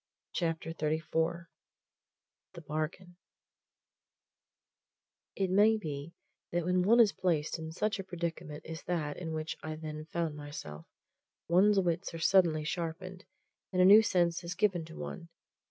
CHAPTER XXXIV THE BARGAIN It may be that when one is placed in such a predicament as that in which I then found myself, one's wits are suddenly sharpened, and a new sense is given to one.